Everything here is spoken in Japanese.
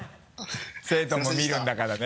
生徒も見るんだからね。